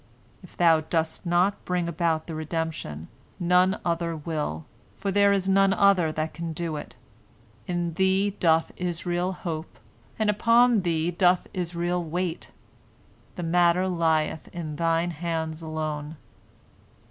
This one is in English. If thou dost not bring about the redemption, none other will, for there is none other that can do it. In thee doth Israel hope, and upon thee doth Israel wait. The matter lieth in thine hands alone."